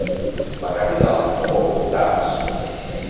La capital fou Tars.